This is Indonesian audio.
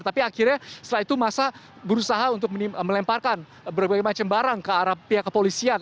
tapi akhirnya setelah itu masa berusaha untuk melemparkan berbagai macam barang ke arah pihak kepolisian